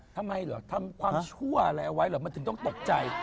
ทำไมเหรอทำความชั่วอะไรเอาไว้เหรอมันถึงต้องตกใจ